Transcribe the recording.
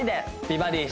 美バディ